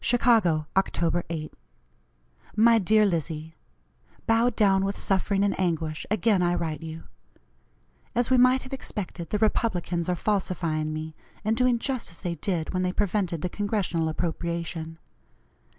"CHICAGO, Oct. 8. "MY DEAR LIZZIE: Bowed down with suffering and anguish, again I write you. As we might have expected, the Republicans are falsifying me, and doing just as they did when they prevented the Congressional appropriation.